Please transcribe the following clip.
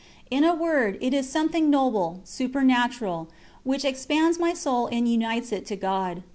In a word, it is something noble, supernatural, which expands my soul and unites it to God.